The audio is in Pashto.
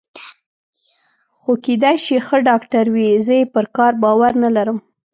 خو کېدای شي ښه ډاکټر وي، زه یې پر کار باور نه لرم.